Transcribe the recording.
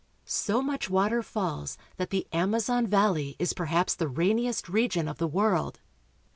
So much water falls that the Amazon valley is perhaps the rainiest region of the world.